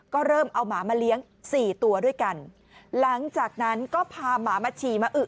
ก็เริ่มเอาหมามาเลี้ยงสี่ตัวด้วยกันหลังจากนั้นก็พาหมามาฉี่มาอึ